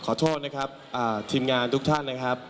ขอโทษนะครับทีมงานทุกท่านนะครับ